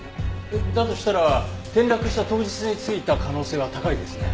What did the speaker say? だとしたら転落した当日に付いた可能性は高いですね。